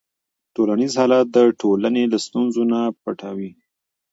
ټولنیز حالت د ټولنې له ستونزو نه پټوي.